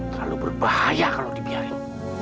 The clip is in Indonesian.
terlalu berbahaya kalau dibiarkan